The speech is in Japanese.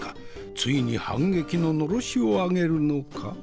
ついに反撃ののろしを上げるのか？